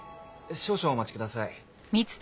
少々お待ちください。